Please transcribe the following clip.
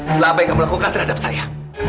bila apa yang kamu lakukan terhadap saya